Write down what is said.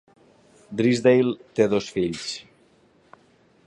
Drysdale té dos fills.